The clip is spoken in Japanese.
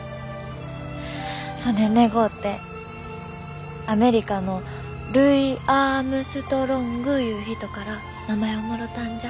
そねん願うてアメリカのルイ・アームストロングいう人から名前をもろたんじゃ。